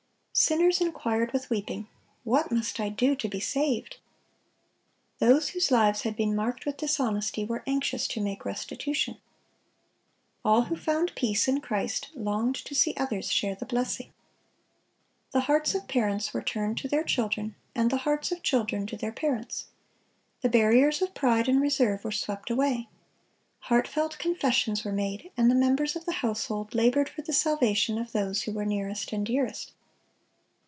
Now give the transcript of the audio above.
Sinners inquired with weeping, "What must I do to be saved?" Those whose lives had been marked with dishonesty were anxious to make restitution. All who found peace in Christ longed to see others share the blessing. The hearts of parents were turned to their children, and the hearts of children to their parents. The barriers of pride and reserve were swept away. Heartfelt confessions were made, and the members of the household labored for the salvation of those who were nearest and dearest.